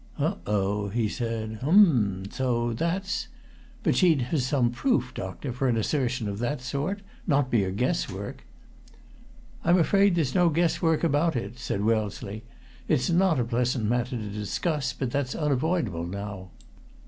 "Oh, oh!" he said. "Um! So that's But she'd have some proof, doctor, for an assertion of that sort? Not mere guess work?" "I'm afraid there's no guess work about it," said Wellesley. "It's not a pleasant matter to discuss, but that's unavoidable now.